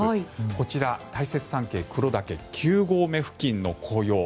こちら大雪山系黒岳９合目付近の紅葉。